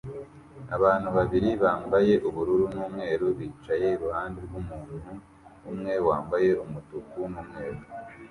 Abantu babiri bambaye ubururu n'umweru bicaye iruhande rw'umuntu umwe wambaye umutuku n'umweru